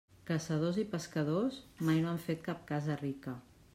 Caçadors i pescadors mai no han fet cap casa rica.